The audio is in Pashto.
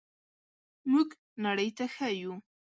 موږ نړۍ ته ښیو.